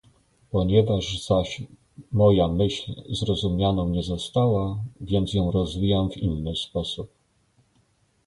"Ponieważ zaś moja myśl zrozumianą nie została, więc ją rozwijam w inny sposób."